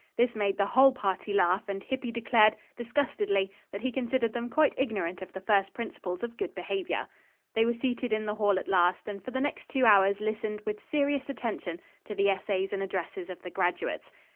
This made the whole party laugh, and Hippy declared, disgustedly, that he considered them quite ignorant of the first principles of good behavior. They were seated in the hall at last, and for the next two hours listened with serious attention to the essays and addresses of the graduates.